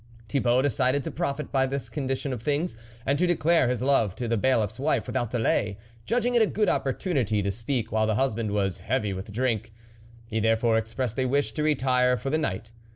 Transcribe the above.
; Thibault decided to profit by this con dition of things, and to declare his love to the Bailiffs wife without delay, judging it a good opportunity to speak while the husband was heavy with drink ; he there fore expressed a wish to retire for the night.